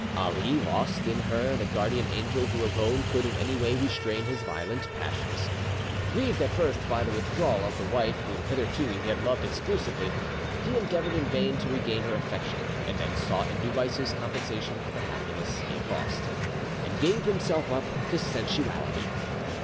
Ali lost in her the guardian angel who alone could in any way restrain his violent passions. Grieved at first by the withdrawal of the wife whom hitherto he had loved exclusively, he endeavoured in vain to regain her affection; and then sought in new vices compensation for the happiness he had lost, and gave himself up to sensuality.